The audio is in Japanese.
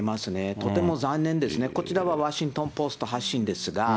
とても残念ですね、こちらはワシントン・ポスト発信ですが。